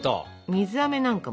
水あめなんかも。